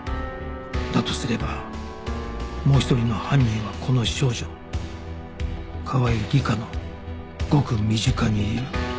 だとすればもう一人の犯人はこの少女川合理香のごく身近にいる